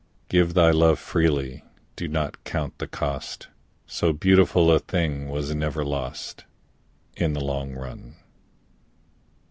Give thy love freely; do not count the cost; So beautiful a thing was never lost In the long run.